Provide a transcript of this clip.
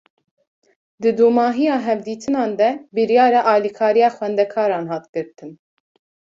Di dûmahiya hevdîtinan de, biryara alîkariya xwendekaran hat girtin